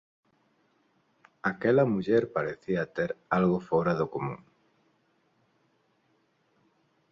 Aquela muller parecía ter algo fóra do común.